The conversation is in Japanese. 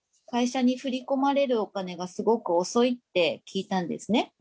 会社に振り込まれるお金がすごく遅いって聞いたんですね。